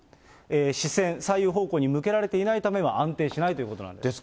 視線、左右方向に向けられていないため、安定しないということなんです。